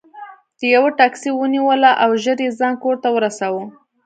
ده یوه ټکسي ونیوله او ژر یې ځان کور ته ورساوه.